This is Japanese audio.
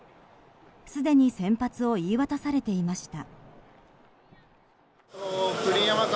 すでに先発を言い渡されていました。